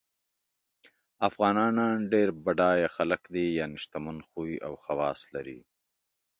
افغانان ډېر بډایه خلګ دي یعنی شتمن خوی او خواص لري